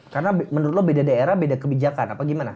karena menurut lo beda daerah beda kebijakan apa gimana